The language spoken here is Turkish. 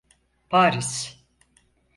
Paris.